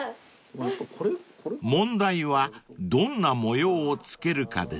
［問題はどんな模様を付けるかですね］